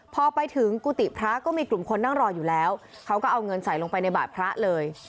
พอไปถึงกุฏิพระก็มีกลุ่มคนนั่งรออยู่แล้วเขาก็เอาเงินใส่ลงไปในบาทพระเลย